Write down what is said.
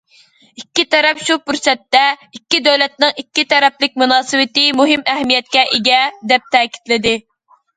ئىككى تەرەپ شۇ پۇرسەتتە: ئىككى دۆلەتنىڭ ئىككى تەرەپلىك مۇناسىۋىتى مۇھىم ئەھمىيەتكە ئىگە، دەپ تەكىتلىدى.